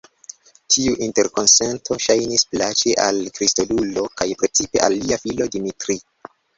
Tiu interkonsento ŝajnis plaĉi al Kristodulo, kaj precipe al lia filo Dimitri.